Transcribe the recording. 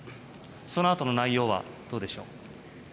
そのあとの内容はどうでしょう？